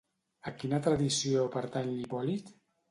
A quina tradició pertany Hipòlit?